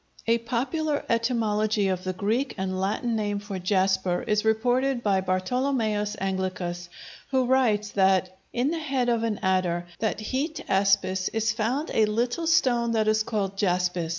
A popular etymology of the Greek and Latin name for jasper is reported by Bartolomæus Anglicus, who writes that "in the head of an adder that hyght Aspis is founde a lytyl stone that is called Jaspis."